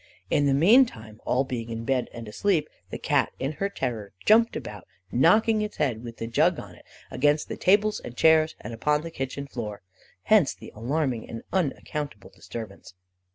In the meantime, all being in bed and asleep, the Cat in her terror jumped about, knocking its head, with the jug on it, against the tables and chairs, and upon the kitchen floor. Hence the alarming and unaccountable disturbance.